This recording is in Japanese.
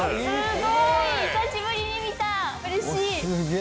久しぶりに見たうれしい！